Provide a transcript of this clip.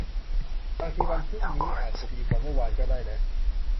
บางทีวันพรุ่งนี้อาจจะดีกว่าเมื่อวานก็ได้นะ